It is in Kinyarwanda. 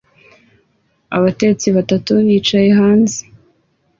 Abatetsi batatu bicaye hanze